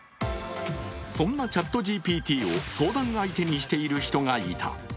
そんなＣｈａｔＧＰＴを相談相手にしている人がいた。